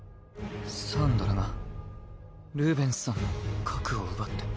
⁉サンドラがルーベンスさんの核を奪って。